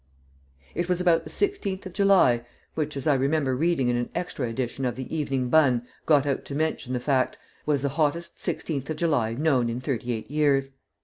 It was about the 16th of July, which, as I remember reading in an extra edition of the Evening Bun, got out to mention the fact, was the hottest 16th of July known in thirty eight years.